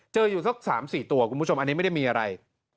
อยู่สัก๓๔ตัวคุณผู้ชมอันนี้ไม่ได้มีอะไร